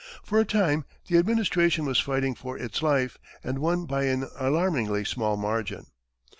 For a time the administration was fighting for its life, and won by an alarmingly small margin.